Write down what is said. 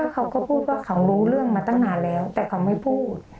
เขาก็พูดว่าเขารู้เรื่องมาตั้งนานแล้วแต่เขาไม่พูด